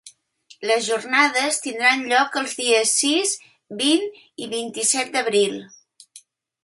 Les jornades tindran lloc els dies sis, vint i vint-i-set d’abril.